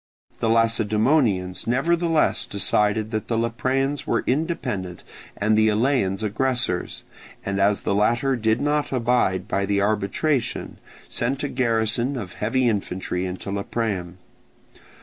The Lacedaemonians nevertheless decided that the Lepreans were independent and the Eleans aggressors, and as the latter did not abide by the arbitration, sent a garrison of heavy infantry into Lepreum.